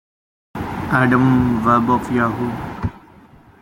Adam Webb of Yahoo!